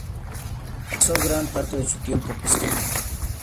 Pasó gran parte de su tiempo pescando.